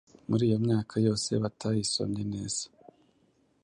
muri iyo myaka yose batayisomye neza .